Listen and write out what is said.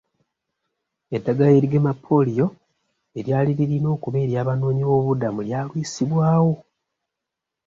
Eddagala erigema pooliyo eryali lirina okuba ery'abanoonyiboobubudamu lyalwisibwawo.